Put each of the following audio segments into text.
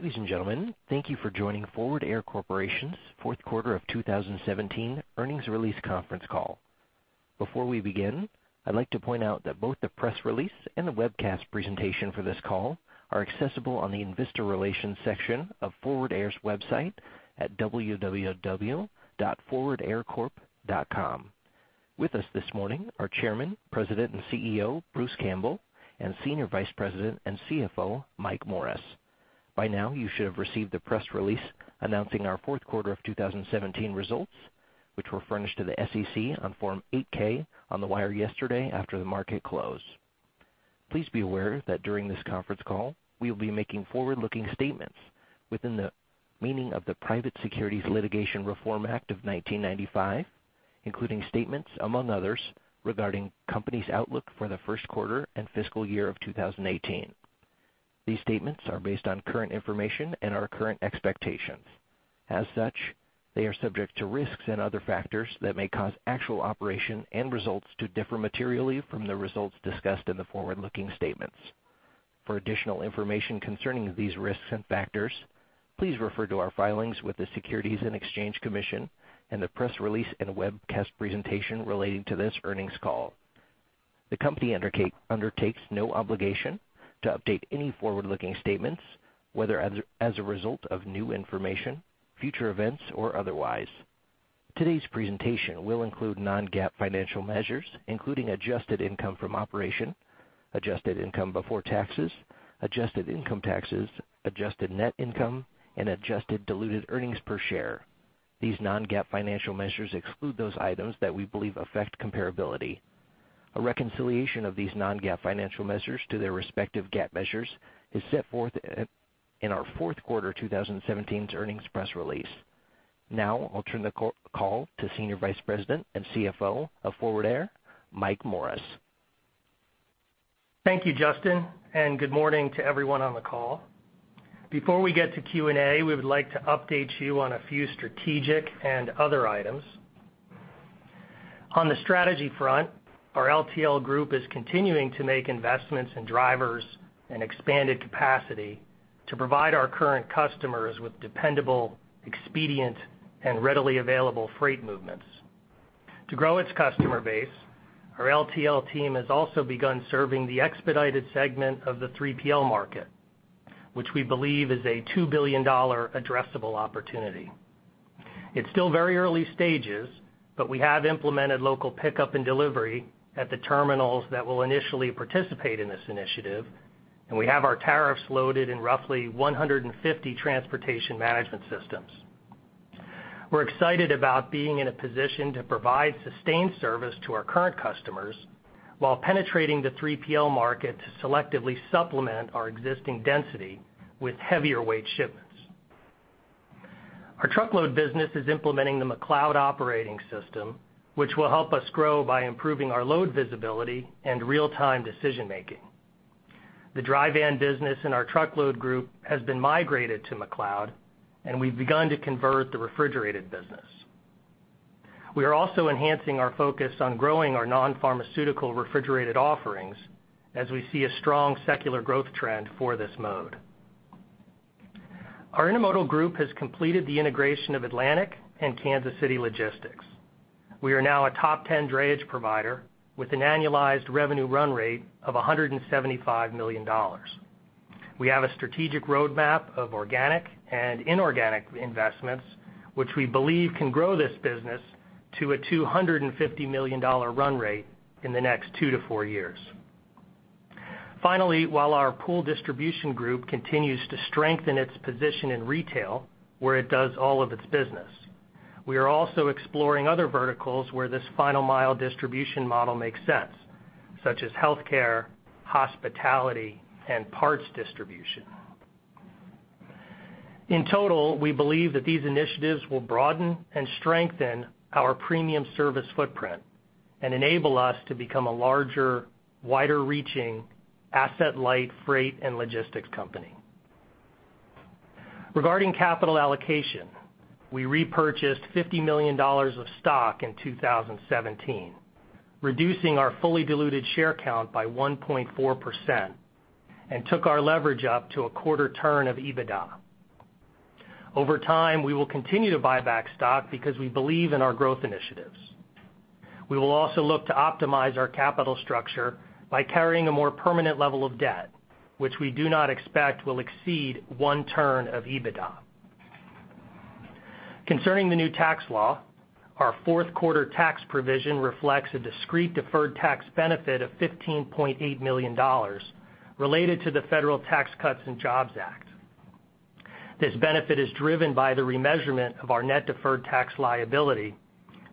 Ladies and gentlemen, thank you for joining Forward Air Corporation's fourth quarter of 2017 earnings release conference call. Before we begin, I'd like to point out that both the press release and the webcast presentation for this call are accessible on the investor relations section of Forward Air's website at www.forwardaircorp.com. With us this morning are Chairman, President, and CEO, Bruce Campbell, and Senior Vice President and CFO, Mike Morris. By now, you should have received the press release announcing our fourth quarter of 2017 results, which were furnished to the SEC on Form 8-K on the wire yesterday after the market closed. Please be aware that during this conference call, we will be making forward-looking statements within the meaning of the Private Securities Litigation Reform Act of 1995, including statements among others regarding company's outlook for the first quarter and fiscal year of 2018. These statements are based on current information and our current expectations. As such, they are subject to risks and other factors that may cause actual operation and results to differ materially from the results discussed in the forward-looking statements. For additional information concerning these risks and factors, please refer to our filings with the Securities and Exchange Commission and the press release and webcast presentation relating to this earnings call. The company undertakes no obligation to update any forward-looking statements, whether as a result of new information, future events, or otherwise. Today's presentation will include non-GAAP financial measures, including adjusted income from operation, adjusted income before taxes, adjusted income taxes, adjusted net income, and adjusted diluted earnings per share. These non-GAAP financial measures exclude those items that we believe affect comparability. A reconciliation of these non-GAAP financial measures to their respective GAAP measures is set forth in our fourth quarter 2017's earnings press release. I'll turn the call to Senior Vice President and CFO of Forward Air, Mike Morris. Thank you, Justin, and good morning to everyone on the call. Before we get to Q&A, we would like to update you on a few strategic and other items. On the strategy front, our LTL group is continuing to make investments in drivers and expanded capacity to provide our current customers with dependable, expedient, and readily available freight movements. To grow its customer base, our LTL team has also begun serving the expedited segment of the 3PL market, which we believe is a $2 billion addressable opportunity. It's still very early stages, but we have implemented local pickup and delivery at the terminals that will initially participate in this initiative, and we have our tariffs loaded in roughly 150 transportation management systems. We're excited about being in a position to provide sustained service to our current customers while penetrating the 3PL market to selectively supplement our existing density with heavier-weight shipments. Our truckload business is implementing the McLeod operating system, which will help us grow by improving our load visibility and real-time decision-making. The dry van business in our truckload group has been migrated to McLeod, and we've begun to convert the refrigerated business. We are also enhancing our focus on growing our non-pharmaceutical refrigerated offerings as we see a strong secular growth trend for this mode. Our intermodal group has completed the integration of Atlantic and Kansas City Logistics. We are now a top 10 drayage provider with an annualized revenue run rate of $175 million. We have a strategic roadmap of organic and inorganic investments, which we believe can grow this business to a $250 million run rate in the next two to four years. Finally, while our pool distribution group continues to strengthen its position in retail, where it does all of its business, we are also exploring other verticals where this final mile distribution model makes sense, such as healthcare, hospitality, and parts distribution. In total, we believe that these initiatives will broaden and strengthen our premium service footprint and enable us to become a larger, wider-reaching asset light freight and logistics company. Regarding capital allocation, we repurchased $50 million of stock in 2017, reducing our fully diluted share count by 1.4%, and took our leverage up to a quarter turn of EBITDA. Over time, we will continue to buy back stock because we believe in our growth initiatives. We will also look to optimize our capital structure by carrying a more permanent level of debt, which we do not expect will exceed one turn of EBITDA. Concerning the new tax law, our fourth quarter tax provision reflects a discrete deferred tax benefit of $15.8 million related to the Federal Tax Cuts and Jobs Act. This benefit is driven by the remeasurement of our net deferred tax liability,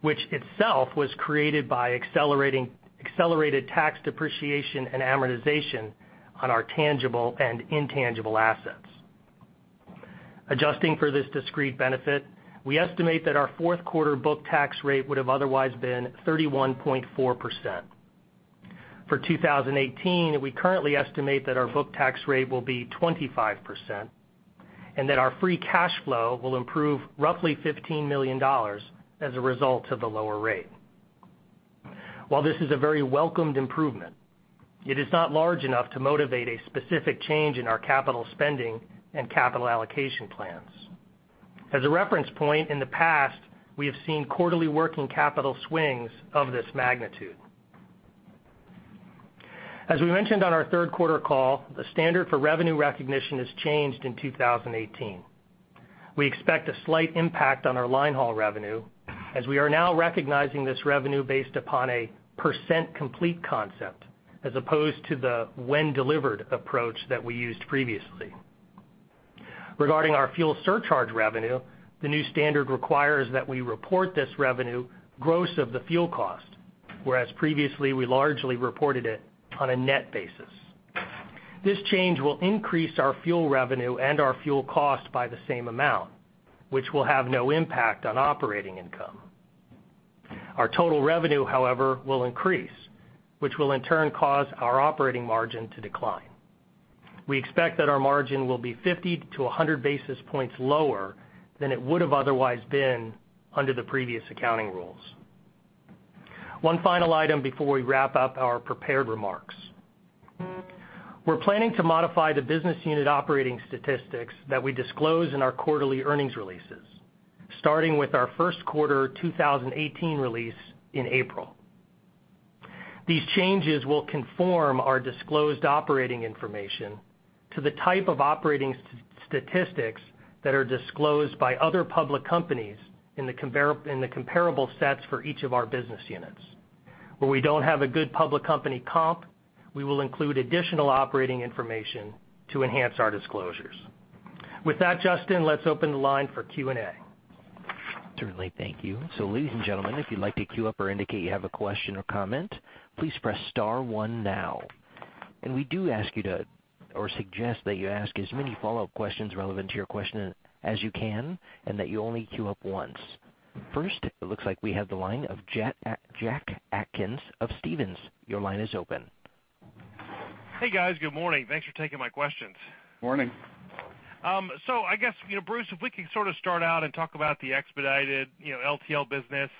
which itself was created by accelerated tax depreciation and amortization on our tangible and intangible assets. Adjusting for this discrete benefit, we estimate that our fourth quarter book tax rate would have otherwise been 31.4%. For 2018, we currently estimate that our book tax rate will be 25% and that our free cash flow will improve roughly $15 million as a result of the lower rate. While this is a very welcomed improvement, it is not large enough to motivate a specific change in our capital spending and capital allocation plans. As a reference point, in the past, we have seen quarterly working capital swings of this magnitude. As we mentioned on our third quarter call, the standard for revenue recognition has changed in 2018. We expect a slight impact on our line haul revenue as we are now recognizing this revenue based upon a percent complete concept as opposed to the when delivered approach that we used previously. Regarding our fuel surcharge revenue, the new standard requires that we report this revenue gross of the fuel cost, whereas previously we largely reported it on a net basis. This change will increase our fuel revenue and our fuel cost by the same amount, which will have no impact on operating income. Our total revenue, however, will increase, which will in turn cause our operating margin to decline. We expect that our margin will be 50 to 100 basis points lower than it would have otherwise been under the previous accounting rules. One final item before we wrap up our prepared remarks. We're planning to modify the business unit operating statistics that we disclose in our quarterly earnings releases, starting with our first quarter 2018 release in April. These changes will conform our disclosed operating information to the type of operating statistics that are disclosed by other public companies in the comparable sets for each of our business units. Where we don't have a good public company comp, we will include additional operating information to enhance our disclosures. With that, Justin, let's open the line for Q&A. Certainly. Thank you. Ladies and gentlemen, if you'd like to queue up or indicate you have a question or comment, please press *1 now. We do ask you to, or suggest that you ask as many follow-up questions relevant to your question as you can, and that you only queue up once. First, it looks like we have the line of Jack Atkins of Stephens. Your line is open. Hey, guys. Good morning. Thanks for taking my questions. Morning. I guess, Bruce, if we can sort of start out and talk about the expedited LTL business.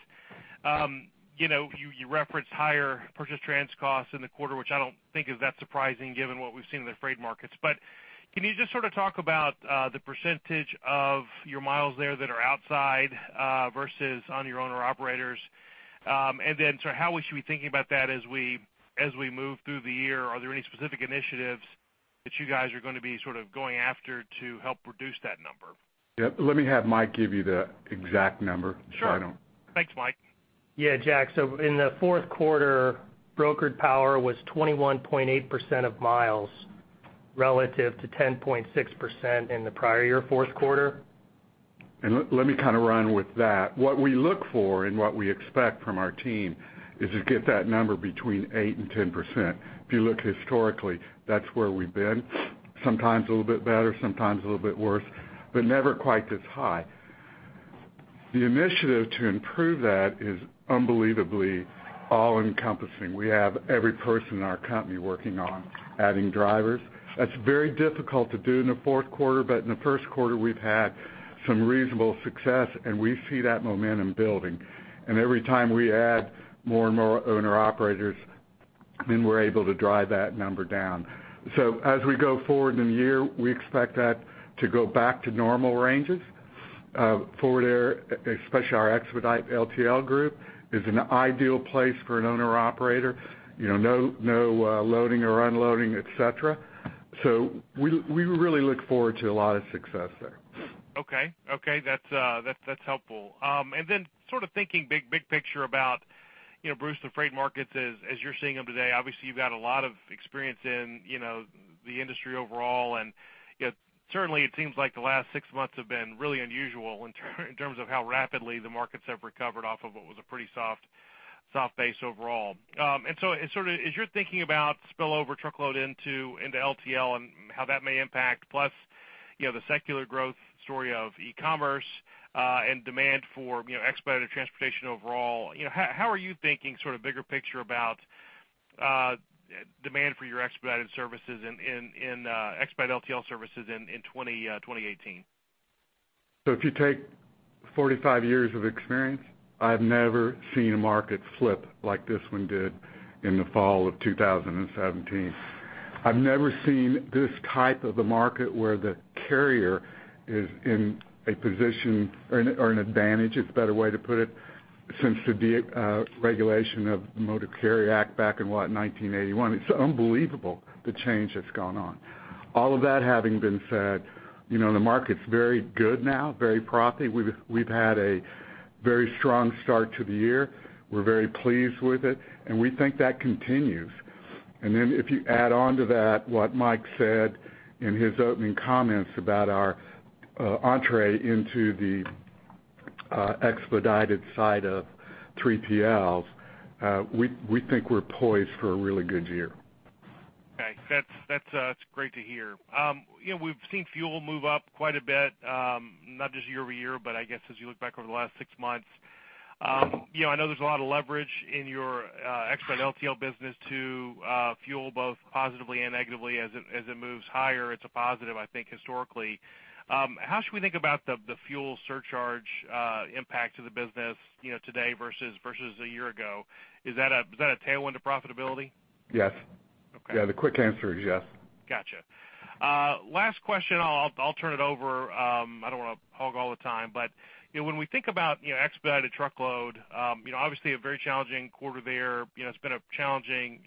You referenced higher purchase trans costs in the quarter, which I don't think is that surprising given what we've seen in the freight markets. Can you just sort of talk about the percentage of your miles there that are outside versus on your owner-operators? Then how we should be thinking about that as we move through the year? Are there any specific initiatives that you guys are going to be sort of going after to help reduce that number? Yeah. Let me have Mike give you the exact number. Sure. Thanks, Mike. Yeah, Jack. In the fourth quarter, brokered power was 21.8% of miles relative to 10.6% in the prior year fourth quarter. Let me kind of run with that. What we look for and what we expect from our team is to get that number between 8% and 10%. If you look historically, that's where we've been. Sometimes a little bit better, sometimes a little bit worse, but never quite this high. The initiative to improve that is unbelievably all-encompassing. We have every person in our company working on adding drivers. That's very difficult to do in the fourth quarter, but in the first quarter we've had some reasonable success, and we see that momentum building. Every time we add more and more owner-operators, we're able to drive that number down. As we go forward in the year, we expect that to go back to normal ranges. Forward Air, especially our expedite LTL group, is an ideal place for an owner-operator. No loading or unloading, et cetera. We really look forward to a lot of success there. Okay. That's helpful. Sort of thinking big picture about, Bruce, the freight markets as you're seeing them today. Obviously, you've got a lot of experience in the industry overall, and certainly it seems like the last six months have been really unusual in terms of how rapidly the markets have recovered off of what was a pretty soft base overall. As you're thinking about spillover truckload into LTL and how that may impact, plus the secular growth story of e-commerce, and demand for expedited transportation overall, how are you thinking sort of bigger picture about demand for your expedited LTL services in 2018? If you take 45 years of experience, I've never seen a market flip like this one did in the fall of 2017. I've never seen this type of a market where the carrier is in a position or an advantage, it's a better way to put it, since the regulation of the Motor Carrier Act back in, what, 1981. It's unbelievable the change that's gone on. All of that having been said, the market's very good now, very profitable. We've had a very strong start to the year. We're very pleased with it, and we think that continues. And then if you add on to that what Mike said in his opening comments about our entrée into the expedited side of 3PLs, we think we're poised for a really good year. Okay, that's great to hear. We've seen fuel move up quite a bit, not just year-over-year, but I guess as you look back over the last six months. I know there's a lot of leverage in your expedite LTL business to fuel both positively and negatively. As it moves higher, it's a positive, I think, historically. How should we think about the fuel surcharge impact to the business today versus a year ago? Is that a tailwind to profitability? Yes. Yeah, the quick answer is yes. Got you. Last question, I'll turn it over, I don't want to hog all the time. When we think about expedited truckload, obviously, a very challenging quarter there. It's been a challenging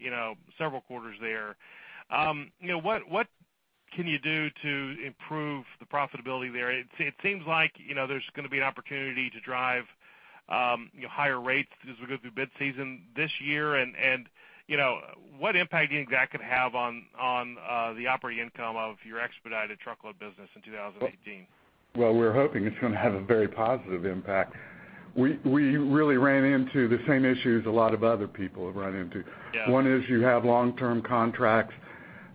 several quarters there. What can you do to improve the profitability there? It seems like there's going to be an opportunity to drive higher rates as we go through bid season this year, and what impact do you think that could have on the operating income of your expedited truckload business in 2018? Well, we're hoping it's going to have a very positive impact. We really ran into the same issues a lot of other people have run into. Yeah. One is you have long-term contracts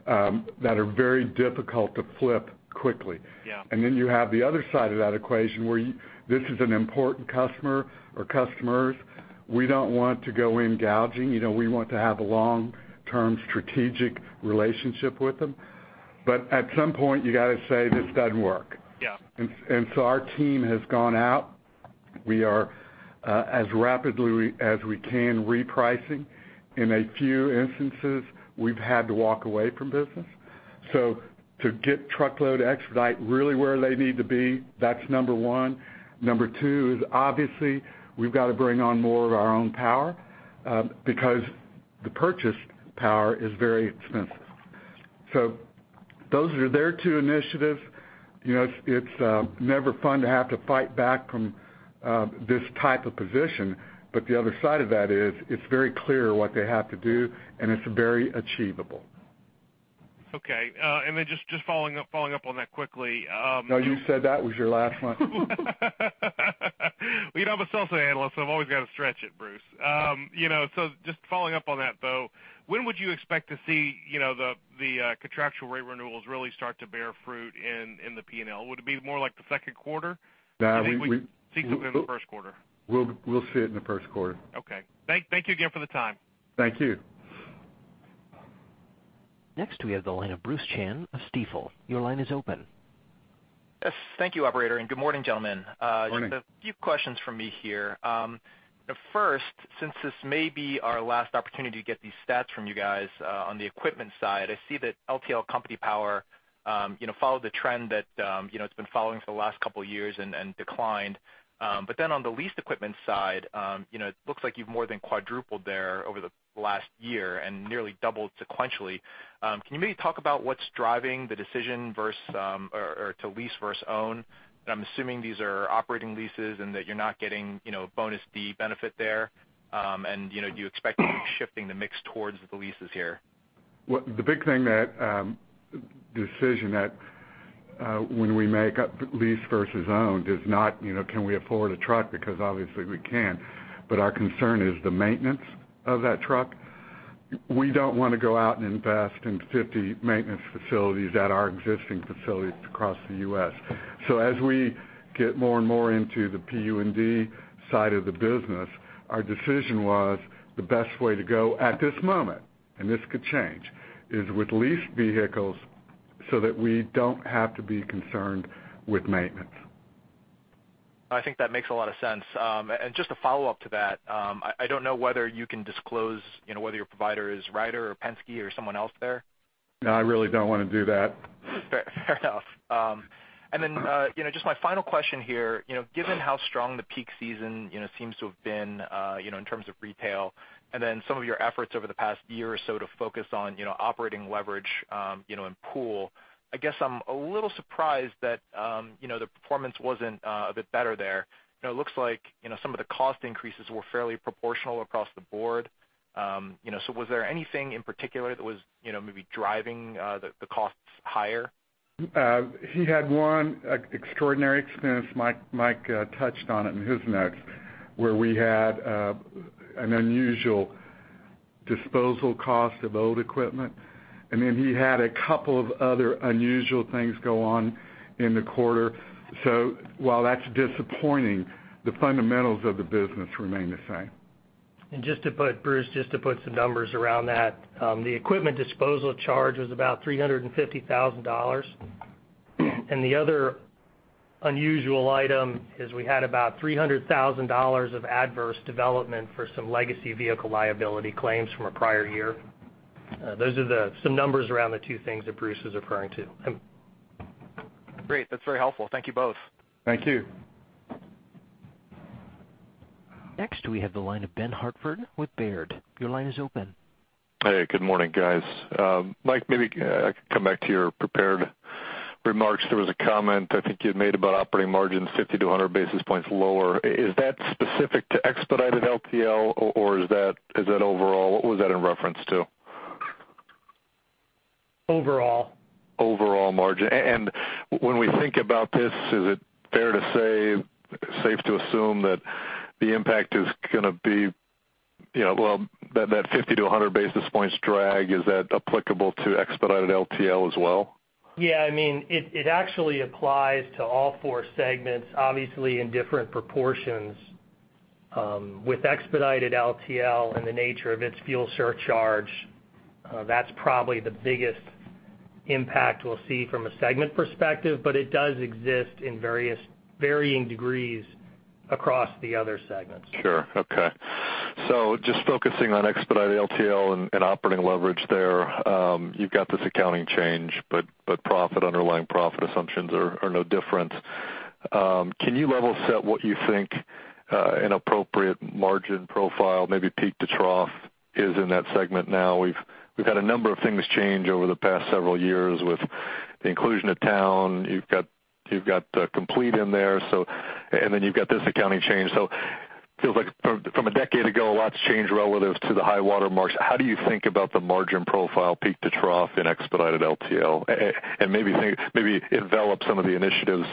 that are very difficult to flip quickly. Yeah. You have the other side of that equation, where this is an important customer or customers. We don't want to go in gouging. We want to have a long-term strategic relationship with them. At some point, you got to say, "This doesn't work. Yeah. Our team has gone out. We are, as rapidly as we can, repricing. In a few instances, we've had to walk away from business. To get truckload expedite really where they need to be, that's number one. Number two is, obviously, we've got to bring on more of our own power, because the purchase power is very expensive. Those are their two initiatives. It's never fun to have to fight back from this type of position, but the other side of that is, it's very clear what they have to do, and it's very achievable. Okay. Just following up on that quickly- No, you said that was your last one. I'm a sell-side analyst, so I've always got to stretch it, Bruce. Just following up on that, though, when would you expect to see the contractual rate renewals really start to bear fruit in the P&L? Would it be more like the second quarter? No. Do you think we'd see something in the first quarter? We'll see it in the first quarter. Okay. Thank you again for the time. Thank you. Next, we have the line of J. Bruce Chan of Stifel. Your line is open. Yes. Thank you, operator, good morning, gentlemen. Morning. Just a few questions from me here. First, since this may be our last opportunity to get these stats from you guys, on the equipment side, I see that LTL company power followed the trend that it's been following for the last couple of years and declined. On the leased equipment side, it looks like you've more than quadrupled there over the last year and nearly doubled sequentially. Can you maybe talk about what's driving the decision to lease versus own? I'm assuming these are operating leases and that you're not getting bonus B benefit there. Do you expect to be shifting the mix towards the leases here? Decision that when we make up lease versus owned is not can we afford a truck, because obviously we can't. Our concern is the maintenance of that truck. We don't want to go out and invest in 50 maintenance facilities at our existing facilities across the U.S. As we get more and more into the PU&D side of the business, our decision was the best way to go at this moment, and this could change, is with leased vehicles so that we don't have to be concerned with maintenance. I think that makes a lot of sense. Just a follow-up to that, I don't know whether you can disclose whether your provider is Ryder or Penske or someone else there. No, I really don't want to do that. Fair enough. Just my final question here. Given how strong the peak season seems to have been in terms of retail and then some of your efforts over the past year or so to focus on operating leverage and pool, I guess I'm a little surprised that the performance wasn't a bit better there. It looks like some of the cost increases were fairly proportional across the board. Was there anything in particular that was maybe driving the costs higher? He had one extraordinary expense, Mike touched on it in his notes, where we had an unusual disposal cost of old equipment. Then he had a couple of other unusual things go on in the quarter. While that's disappointing, the fundamentals of the business remain the same. Bruce, just to put some numbers around that. The equipment disposal charge was about $350,000. The other unusual item is we had about $300,000 of adverse development for some legacy vehicle liability claims from a prior year. Those are some numbers around the two things that Bruce is referring to. Great. That's very helpful. Thank you both. Thank you. Next, we have the line of Ben Hartford with Baird. Your line is open. Hey, good morning, guys. Mike, maybe I could come back to your prepared remarks. There was a comment I think you had made about operating margins 50-100 basis points lower. Is that specific to expedited LTL, or is that overall? What was that in reference to? Overall. Overall margin. When we think about this, is it fair to say, safe to assume that the impact is going to be Well, that 50-100 basis points drag, is that applicable to expedited LTL as well? Yeah. It actually applies to all four segments, obviously, in different proportions. With expedited LTL and the nature of its fuel surcharge, that's probably the biggest impact we'll see from a segment perspective, but it does exist in varying degrees across the other segments. Sure. Okay. Just focusing on expedited LTL and operating leverage there. You've got this accounting change, but underlying profit assumptions are no different. Can you level set what you think an appropriate margin profile, maybe peak to trough, is in that segment now? We've had a number of things change over the past several years with the inclusion of Towne. You've got Complete in there, and then you've got this accounting change. It feels like from a decade ago, a lot's changed relative to the high water marks. How do you think about the margin profile, peak to trough in expedited LTL? Maybe envelop some of the initiatives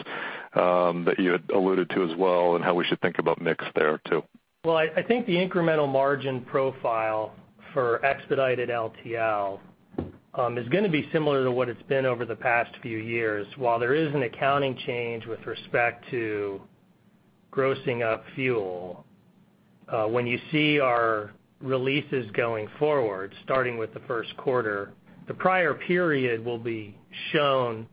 that you had alluded to as well, and how we should think about mix there, too. Well, I think the incremental margin profile for expedited LTL is going to be similar to what it's been over the past few years. While there is an accounting change with respect to grossing up fuel, when you see our releases going forward, starting with the first quarter, the prior period will be shown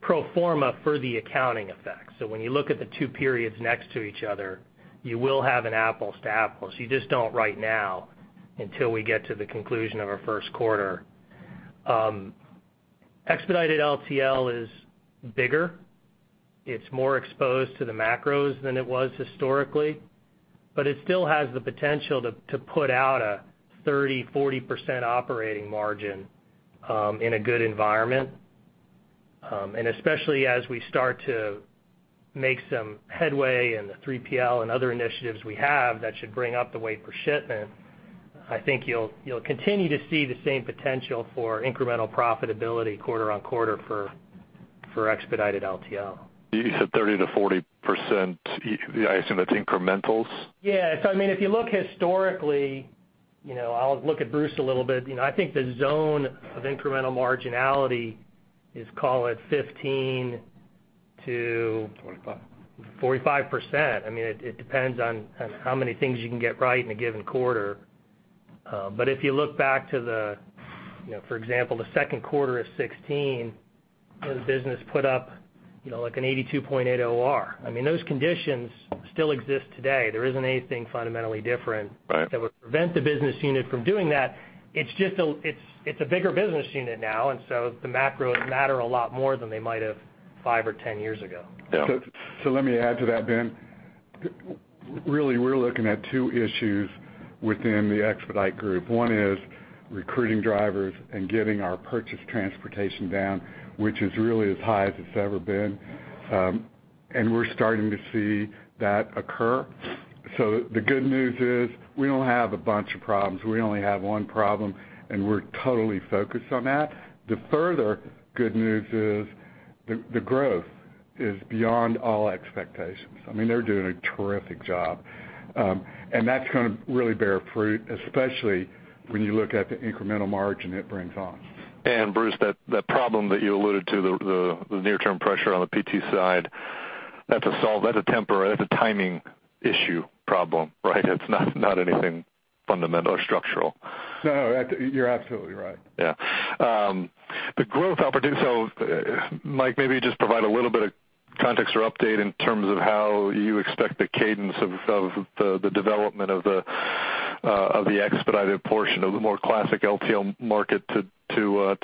pro forma for the accounting effect. When you look at the two periods next to each other, you will have an apples to apples. You just don't right now until we get to the conclusion of our first quarter. Expedited LTL is bigger. It's more exposed to the macros than it was historically, but it still has the potential to put out a 30%, 40% operating margin in a good environment. Especially as we start to make some headway in the 3PL and other initiatives we have, that should bring up the weight per shipment. I think you'll continue to see the same potential for incremental profitability quarter on quarter for expedited LTL. You said 30% to 40%. I assume that's incrementals? Yeah. If you look historically, I'll look at Bruce a little bit. I think the zone of incremental marginality is, call it 15% to- 45% 45%. It depends on how many things you can get right in a given quarter. If you look back to the, for example, the second quarter of 2016, the business put up an 82.8 OR. Those conditions still exist today. There isn't anything fundamentally different- Right that would prevent the business unit from doing that. It's a bigger business unit now, the macros matter a lot more than they might have five or 10 years ago. Yeah. Let me add to that, Ben. Really, we're looking at two issues within the expedite group. One is recruiting drivers and getting our purchase transportation down, which is really as high as it's ever been. We're starting to see that occur. The good news is we don't have a bunch of problems. We only have one problem, and we're totally focused on that. The further good news is the growth is beyond all expectations. They're doing a terrific job. That's going to really bear fruit, especially when you look at the incremental margin it brings on. Bruce, that problem that you alluded to, the near-term pressure on the PT side, that's a temporary, that's a timing issue problem, right? It's not anything fundamental or structural. No. You're absolutely right. The growth opportunity. Mike, maybe just provide a little bit of context or update in terms of how you expect the cadence of the development of the expedited portion of the more classic LTL market to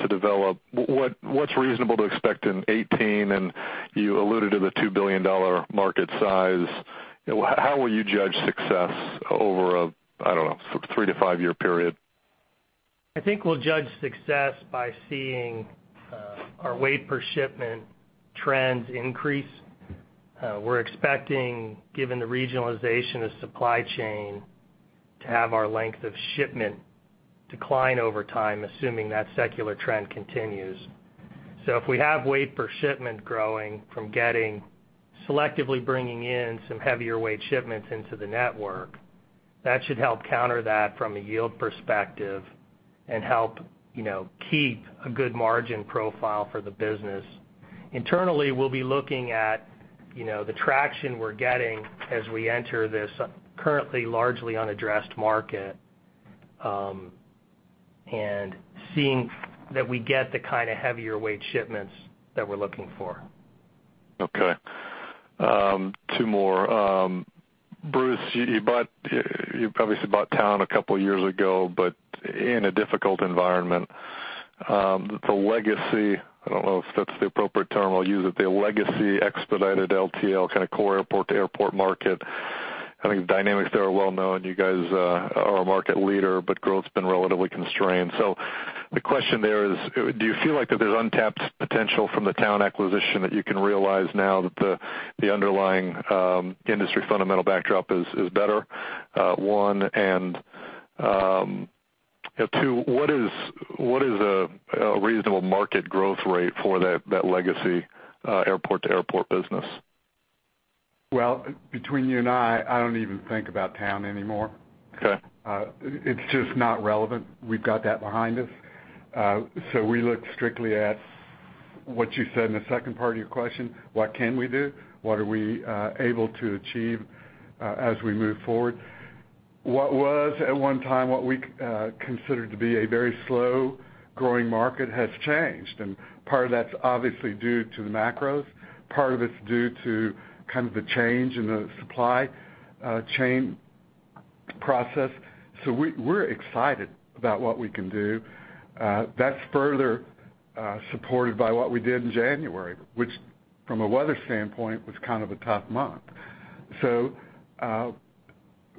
develop. What's reasonable to expect in 2018? You alluded to the $2 billion market size. How will you judge success over a, I don't know, 3-5-year period? I think we'll judge success by seeing our weight per shipment trends increase. We're expecting, given the regionalization of supply chain, to have our length of shipment decline over time, assuming that secular trend continues. If we have weight per shipment growing from selectively bringing in some heavier weight shipments into the network, that should help counter that from a yield perspective and help keep a good margin profile for the business. Internally, we'll be looking at the traction we're getting as we enter this currently largely unaddressed market, and seeing that we get the kind of heavier weight shipments that we're looking for. Okay. Two more. Bruce, you obviously bought Towne a couple of years ago, but in a difficult environment. The legacy, I don't know if that's the appropriate term I'll use it, the legacy expedited LTL kind of core airport-to-airport market, I think the dynamics there are well known. You guys are a market leader, but growth's been relatively constrained. The question there is, do you feel like that there's untapped potential from the Towne acquisition that you can realize now that the underlying industry fundamental backdrop is better, one? Two, what is a reasonable market growth rate for that legacy airport-to-airport business? Well, between you and I don't even think about Towne anymore. Okay. It's just not relevant. We've got that behind us. We look strictly at What you said in the second part of your question, what can we do? What are we able to achieve as we move forward? What was at one time what we considered to be a very slow-growing market has changed, and part of that's obviously due to the macros. Part of it's due to the change in the supply chain process. We're excited about what we can do. That's further supported by what we did in January, which from a weather standpoint, was kind of a tough month.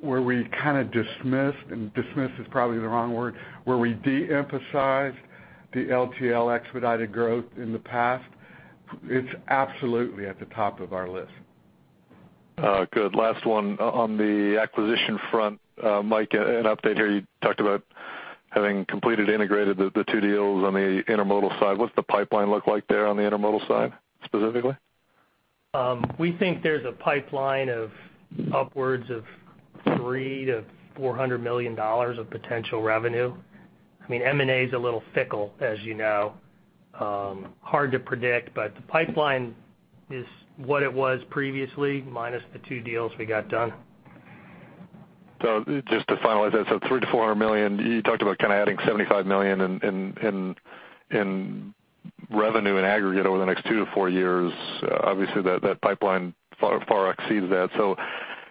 Where we kind of dismissed, and dismissed is probably the wrong word, where we de-emphasized the LTL expedited growth in the past, it's absolutely at the top of our list. Good. Last one. On the acquisition front, Mike, an update here. You talked about having completed, integrated the two deals on the intermodal side. What's the pipeline look like there on the intermodal side, specifically? We think there's a pipeline of upwards of $3 million-$400 million of potential revenue. M&A is a little fickle, as you know. Hard to predict, the pipeline is what it was previously, minus the two deals we got done. Just to finalize that, $3 million-$400 million. You talked about adding $75 million in revenue and aggregate over the next two to four years. Obviously, that pipeline far exceeds that.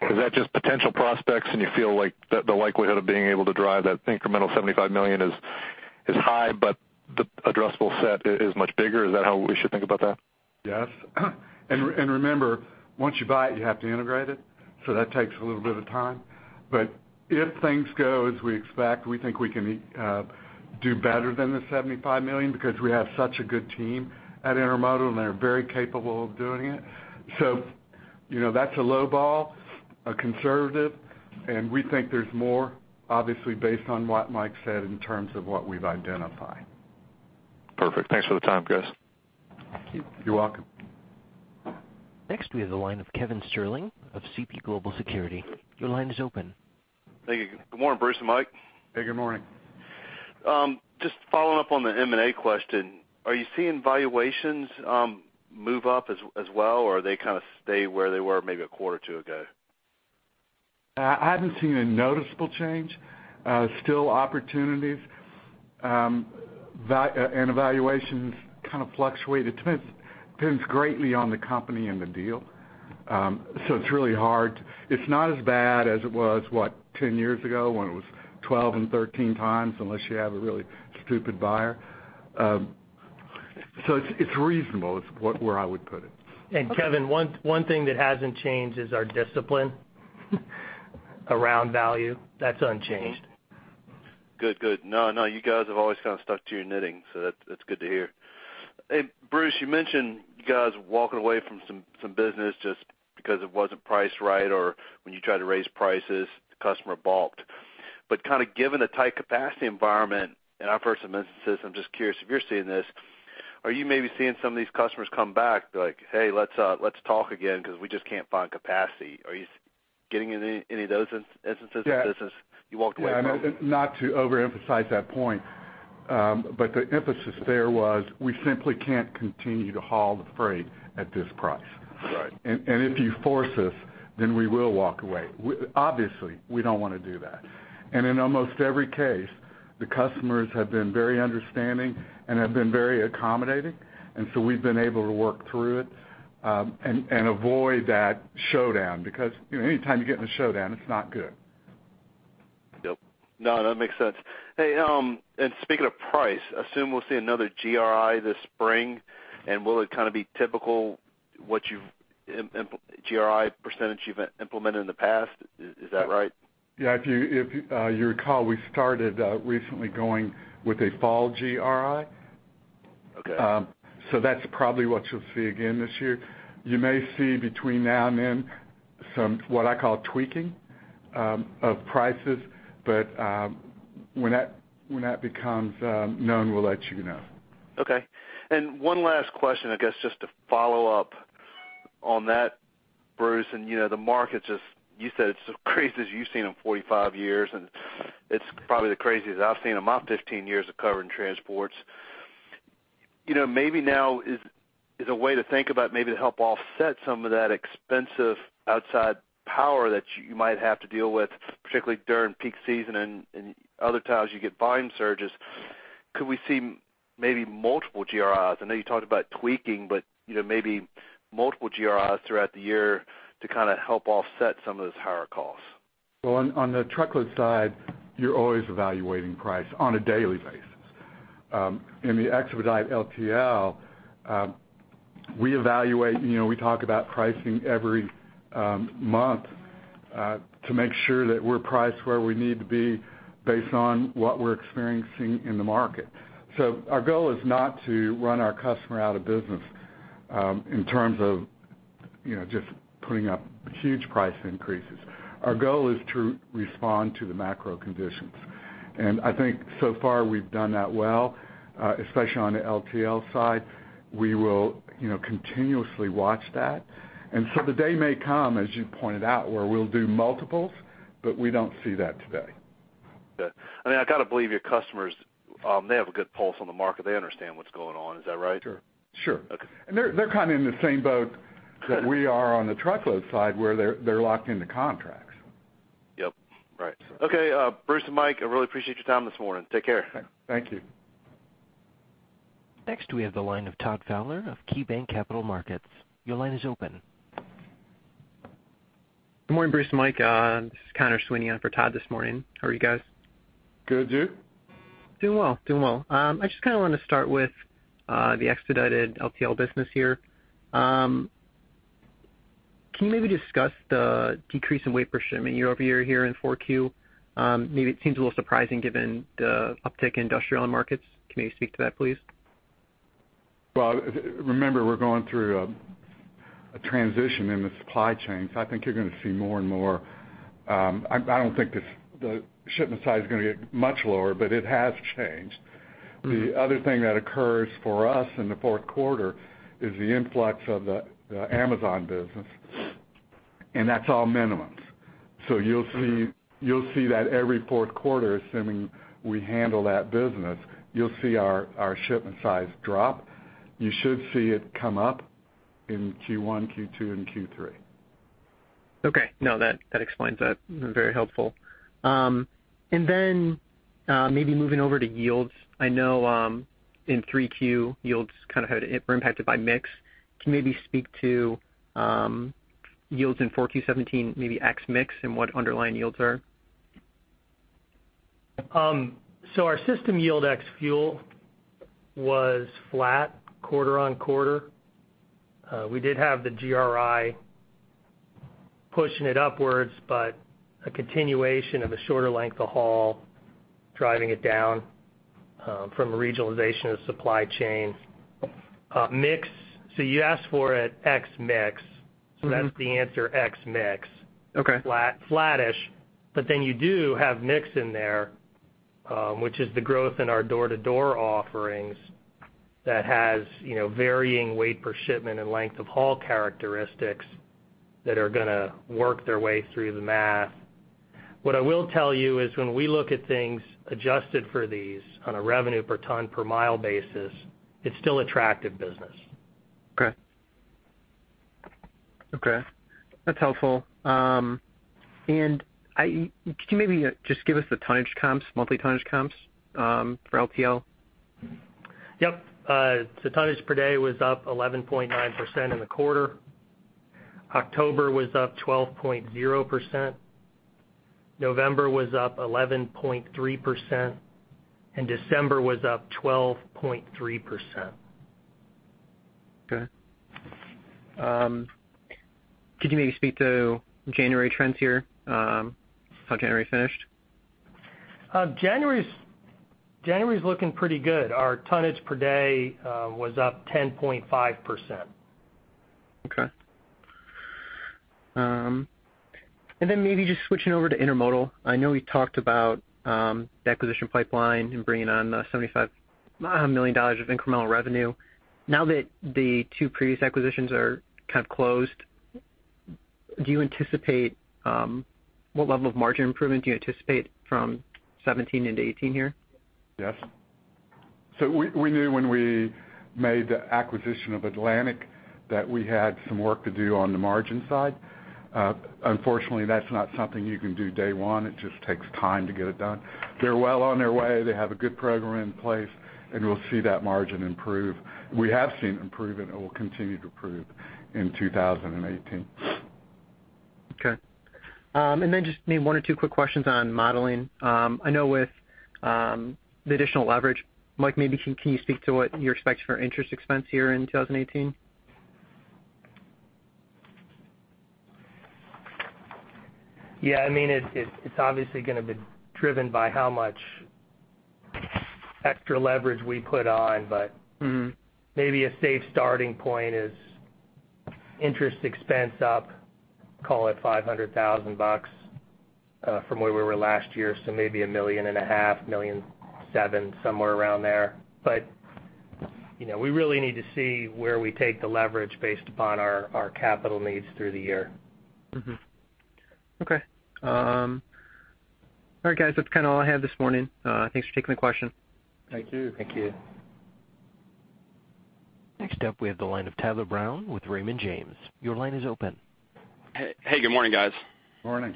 Is that just potential prospects and you feel like the likelihood of being able to drive that incremental $75 million is high, the addressable set is much bigger? Is that how we should think about that? Yes. Remember, once you buy it, you have to integrate it, that takes a little bit of time. If things go as we expect, we think we can do better than the $75 million because we have such a good team at Intermodal, they are very capable of doing it. That's a lowball, a conservative, we think there's more, obviously, based on what Mike said in terms of what we've identified. Perfect. Thanks for the time, guys. Thank you. You're welcome. Next we have the line of Kevin Sterling of Seaport Global Securities. Your line is open. Thank you. Good morning, Bruce and Mike. Hey, good morning. Just following up on the M&A question. Are you seeing valuations move up as well, or are they kind of stay where they were maybe a quarter or two ago? I haven't seen a noticeable change. Still opportunities. Valuations kind of fluctuate. It depends greatly on the company and the deal. It's really hard. It's not as bad as it was, what, 10 years ago when it was 12 and 13 times, unless you have a really stupid buyer. It's reasonable is where I would put it. Kevin, one thing that hasn't changed is our discipline around value. That's unchanged. Good. You guys have always kind of stuck to your knitting, that's good to hear. Bruce, you mentioned you guys walking away from some business just because it wasn't priced right or when you tried to raise prices, the customer balked. Kind of given the tight capacity environment in our first instances, I'm just curious if you're seeing this. Are you maybe seeing some of these customers come back like, "Hey, let's talk again because we just can't find capacity"? Are you getting any of those instances with business you walked away from? Not to overemphasize that point. The emphasis there was we simply can't continue to haul the freight at this price. Right. If you force us, we will walk away. Obviously, we don't want to do that. In almost every case, the customers have been very understanding and have been very accommodating, we've been able to work through it, and avoid that showdown because anytime you get in a showdown, it's not good. Yep. No, that makes sense. Hey, speaking of price, assume we'll see another GRI this spring, will it kind of be typical what you've, GRI percentage you've implemented in the past? Is that right? Yeah, if you recall, we started recently going with a fall GRI. Okay. That's probably what you'll see again this year. You may see between now and then some what I call tweaking of prices. When that becomes known, we'll let you know. Okay. One last question, I guess, just to follow up on that, Bruce. The market, you said it's the craziest you've seen in 45 years, it's probably the craziest I've seen in my 15 years of covering transports. Maybe now is a way to think about maybe to help offset some of that expensive outside power that you might have to deal with, particularly during peak season and other times you get volume surges. Could we see maybe multiple GRIs? I know you talked about tweaking, maybe multiple GRIs throughout the year to help offset some of those higher costs? Well, on the truckload side, you're always evaluating price on a daily basis. In the expedite LTL, we evaluate, we talk about pricing every month, to make sure that we're priced where we need to be based on what we're experiencing in the market. Our goal is not to run our customer out of business, in terms of just putting up huge price increases. Our goal is to respond to the macro conditions. I think so far we've done that well, especially on the LTL side. We will continuously watch that. The day may come, as you pointed out, where we'll do multiples, but we don't see that today. Okay. I mean, I got to believe your customers, they have a good pulse on the market. They understand what's going on. Is that right? Sure. Okay. They're in the same boat that we are on the truckload side where they're locked into contracts. Yep. Right. Okay. Bruce and Mike, I really appreciate your time this morning. Take care. Thank you. Next, we have the line of Todd Fowler of KeyBanc Capital Markets. Your line is open. Good morning, Bruce and Mike. This is Conor Sweeney on for Todd this morning. How are you guys? Good. You? Doing well. I just want to start with the expedited LTL business here. Can you maybe discuss the decrease in weight per shipment year-over-year here in Q4? Maybe it seems a little surprising given the uptick in industrial end markets. Can you speak to that, please? Well, remember, we're going through a transition in the supply chain, I think you're going to see more and more. I don't think the shipment size is going to get much lower, but it has changed. The other thing that occurs for us in the fourth quarter is the influx of the Amazon business, that's all minimums. You'll see that every fourth quarter, assuming we handle that business, you'll see our shipment size drop. You should see it come up in Q1, Q2, and Q3. Okay. No, that explains it. Very helpful. Then, maybe moving over to yields. I know, in Q3, yields were impacted by mix. Can you maybe speak to yields in Q4 2017, maybe ex mix, and what underlying yields are? Our system yield ex fuel was flat quarter-on-quarter. We did have the GRI pushing it upwards, a continuation of a shorter length of haul driving it down from a regionalization of supply chain. Mix, you asked for it ex mix. That's the answer ex mix. Okay. Flat. Flattish, you do have mix in there, which is the growth in our door-to-door offerings that has varying weight per shipment and length of haul characteristics that are going to work their way through the math. What I will tell you is when we look at things adjusted for these on a revenue per ton per mile basis, it's still attractive business. Okay. That's helpful. Can you maybe just give us the tonnage comps, monthly tonnage comps, for LTL? Yep. Tonnage per day was up 11.9% in the quarter. October was up 12.0%, November was up 11.3%, and December was up 12.3%. Okay. Could you maybe speak to January trends here? How January finished? January's looking pretty good. Our tonnage per day was up 10.5%. Okay. Maybe just switching over to intermodal. I know we talked about the acquisition pipeline and bringing on the $75 million of incremental revenue. Now that the two previous acquisitions are closed, what level of margin improvement do you anticipate from 2017 into 2018 here? Yes. We knew when we made the acquisition of Atlantic that we had some work to do on the margin side. Unfortunately, that's not something you can do day one. It just takes time to get it done. They're well on their way. They have a good program in place, and we'll see that margin improve. We have seen improvement, and it will continue to improve in 2018. Okay. Just need one or two quick questions on modeling. I know with the additional leverage, Mike, maybe can you speak to what you expect for interest expense here in 2018? Yeah, it's obviously going to be driven by how much extra leverage we put on. maybe a safe starting point is interest expense up, call it $500,000 from where we were last year. maybe a million and a half, million seven, somewhere around there. We really need to see where we take the leverage based upon our capital needs through the year. Mm-hmm. Okay. All right, guys, that's all I have this morning. Thanks for taking the question. Thank you. Thank you. Next up, we have the line of Tyler Brown with Raymond James. Your line is open. Hey, good morning, guys. Morning.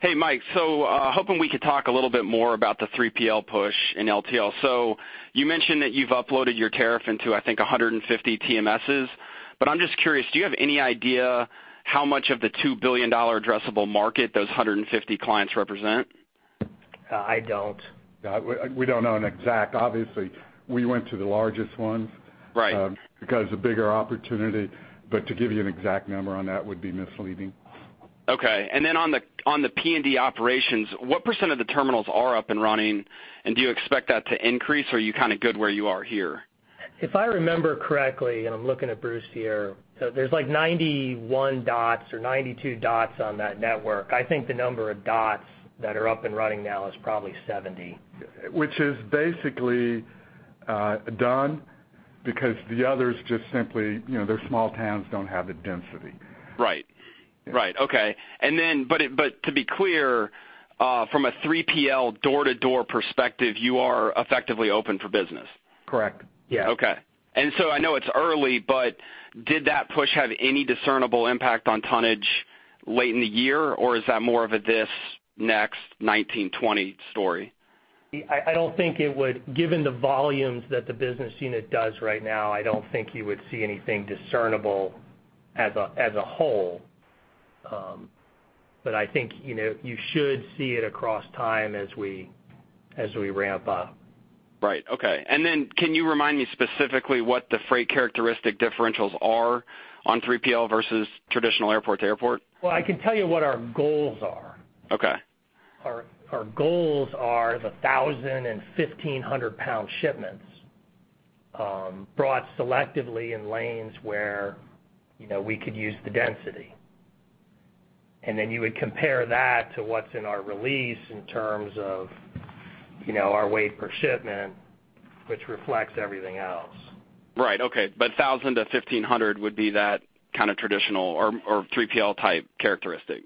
Hey, Mike. Hoping we could talk a little bit more about the 3PL push in LTL. You mentioned that you've uploaded your tariff into, I think, 150 TMSs. I'm just curious, do you have any idea how much of the $2 billion addressable market those 150 clients represent? I don't. We don't know an exact, obviously. We went to the largest ones. Right because a bigger opportunity, but to give you an exact number on that would be misleading. Okay. On the P&D operations, what % of the terminals are up and running, and do you expect that to increase, or are you good where you are here? If I remember correctly, and I'm looking at Bruce here, so there's like 91 dots or 92 dots on that network. I think the number of dots that are up and running now is probably 70. Which is basically done. Because the others just simply, they're small towns, don't have the density. Right. Okay. To be clear, from a 3PL door-to-door perspective, you are effectively open for business? Correct. Yeah. Okay. I know it's early, but did that push have any discernible impact on tonnage late in the year, or is that more of a this next 2019-2020 story? I don't think it would. Given the volumes that the business unit does right now, I don't think you would see anything discernible as a whole. I think, you should see it across time as we ramp up. Right. Okay. Can you remind me specifically what the freight characteristic differentials are on 3PL versus traditional airport to airport? Well, I can tell you what our goals are. Okay. Our goals are the 1,000 and 1,500 pound shipments, brought selectively in lanes where we could use the density. You would compare that to what's in our release in terms of our weight per shipment, which reflects everything else. Right. Okay. 1,000-1,500 would be that kind of traditional or 3PL type characteristic.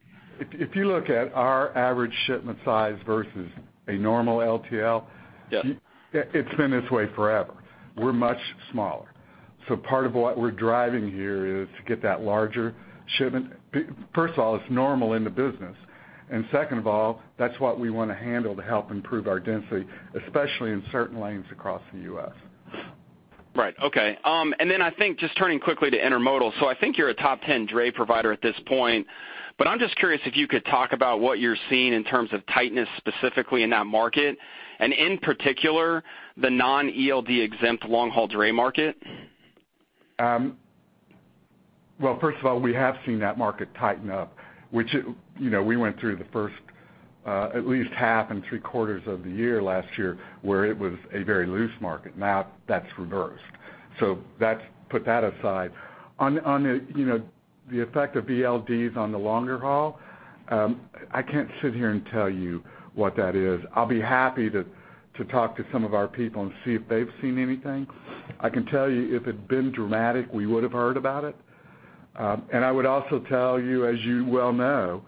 If you look at our average shipment size versus a normal LTL. Yes It's been this way forever. We're much smaller. Part of what we're driving here is to get that larger shipment. First of all, it's normal in the business, and second of all, that's what we want to handle to help improve our density, especially in certain lanes across the U.S. Right. Okay. I think, just turning quickly to intermodal. I think you're a top 10 dray provider at this point, but I'm just curious if you could talk about what you're seeing in terms of tightness specifically in that market, and in particular, the non-ELD exempt long haul dray market. Well, first of all, we have seen that market tighten up, which we went through the first at least half and three quarters of the year last year, where it was a very loose market. Now, that's reversed. Let's put that aside. On the effect of ELDs on the longer haul, I can't sit here and tell you what that is. I'll be happy to talk to some of our people and see if they've seen anything. I can tell you if it had been dramatic, we would've heard about it. I would also tell you, as you well know,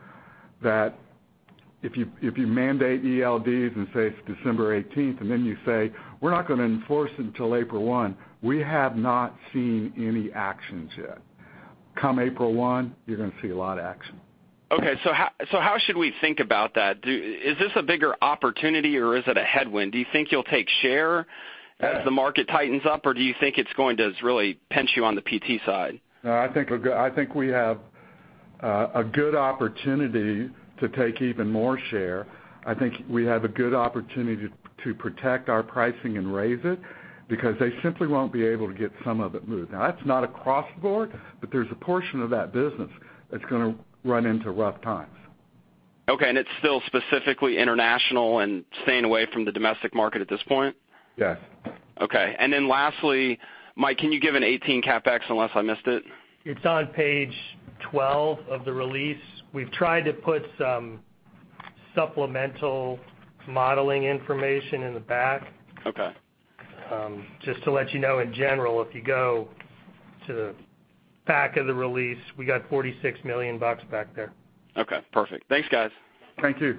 that if you mandate ELDs and say it's December 18th, and then you say, "We're not going to enforce until April 1," we have not seen any actions yet. Come April 1, you're going to see a lot of action. How should we think about that? Is this a bigger opportunity, or is it a headwind? Do you think you'll take share as the market tightens up, or do you think it's going to really pinch you on the PT side? No, I think we have a good opportunity to take even more share. I think we have a good opportunity to protect our pricing and raise it, because they simply won't be able to get some of it moved. Now, that's not across the board, but there's a portion of that business that's going to run into rough times. Okay. It's still specifically international and staying away from the domestic market at this point? Yes. Okay. Lastly, Mike, can you give a 2018 CapEx, unless I missed it? It's on page 12 of the release. We've tried to put some supplemental modeling information in the back. Okay. Just to let you know in general, if you go to the back of the release, we got $46 million back there. Okay, perfect. Thanks, guys. Thank you.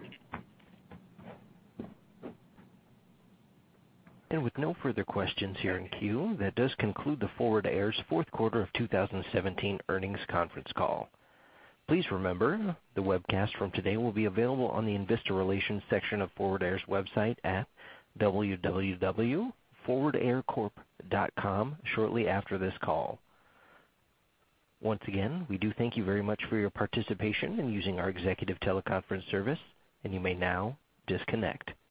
With no further questions here in queue, that does conclude the Forward Air's fourth quarter of 2017 earnings conference call. Please remember, the webcast from today will be available on the investor relations section of Forward Air's website at www.forwardaircorp.com shortly after this call. Once again, we do thank you very much for your participation in using our executive teleconference service, and you may now disconnect.